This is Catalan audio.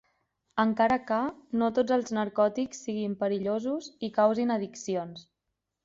Encara que, no tots els narcòtics siguin perillosos i causin addiccions.